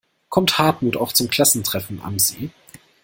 Kommt Hartmut auch zum Klassentreffen am See?